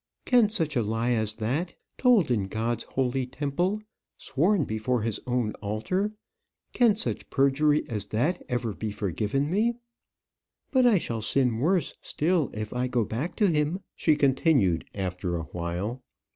Can such a lie as that, told in God's holy temple, sworn before his own altar can such perjury as that ever be forgiven me? "But I shall sin worse still if I go back to him," she continued, after a while.